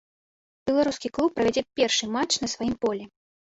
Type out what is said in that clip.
Беларускі клуб правядзе першы матч на сваім полі.